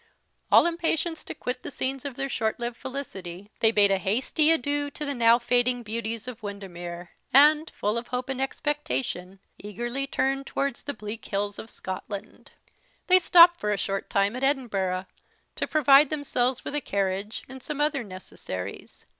All impatience to quit the scenes of their short lived felicity, they bade a hasty adieu to the now fading beauties of Windermere; and, full of hope and expectation, eagerly turned towards the bleak hills of Scotland. They stopped for a short time at Edinburgh, to provide themselves with a carriage, and some other necessaries.